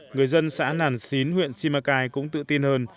người dân xã nàn xín huyện simacai cũng tự tin hơn